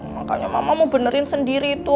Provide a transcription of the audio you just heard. makanya mama mau benerin sendiri tuh